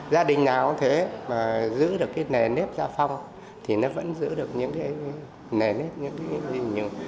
gia đình nào có thể giữ được cái nề nếp ra phong thì nó vẫn giữ được những cái nề nếp những cái gì nhiều